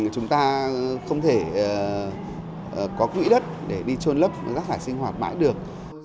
chúng ta không thể có quỹ đất để đi trôn lấp rắc thải sinh hoạt mãi được